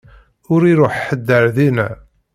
Ur iṛuḥ ḥedd ar dina.